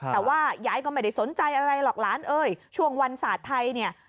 แต่ว่ายายก็ไม่ได้สนใจอะไรหรอกหลานเอ้ยช่วงวันศาสตร์ไทยเนี่ย